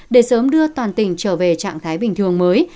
để sớm đưa toàn tỉnh trở về trạng thái bình thường mới